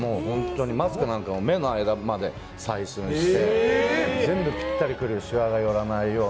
マスクなんかも目の間まで採寸して全部ぴったりくるようにしわが寄らないように。